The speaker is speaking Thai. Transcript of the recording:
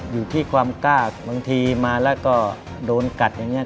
อยู่ที่ความกล้าบางทีมาแล้วก็โดนกัดอย่างนี้